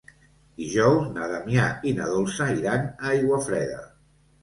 Dijous na Damià i na Dolça iran a Aiguafreda.